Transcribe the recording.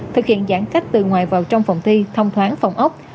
thực hiện giãn cách từ ngoài vào trong phòng thi thông thoáng phòng ốc